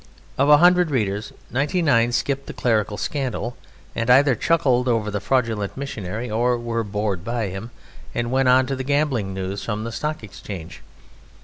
Of a hundred readers, ninety nine skipped the clerical scandal and either chuckled over the fraudulent missionary or were bored by him and went on to the gambling news from the Stock Exchange.